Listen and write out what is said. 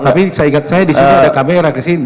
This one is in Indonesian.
tapi saya ingat saya di sini ada kamera ke sini